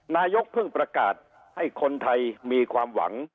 นายกเพิ่งประกาศให้คนไทยมีความหวัง